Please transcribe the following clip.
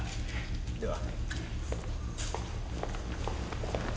では。